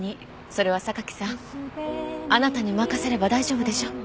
それは榊さんあなたに任せれば大丈夫でしょ？